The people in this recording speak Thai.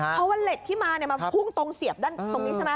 เพราะว่าเหล็กที่มามาพุ่งตรงเสียบด้านตรงนี้ใช่ไหม